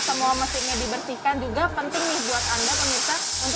setelah semua mesinnya dibersihkan juga penting nih buat anda